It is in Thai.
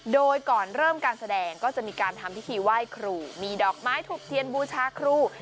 โดยก่อนเริ่มการแสดงก็จะมีการทำพิธีไหว้ครูมีดอกไม้ถูกเทียนบูชาครู